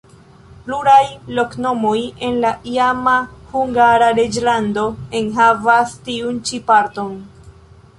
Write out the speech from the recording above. Pluraj loknomoj en la iama Hungara reĝlando enhavas tiun ĉi parton.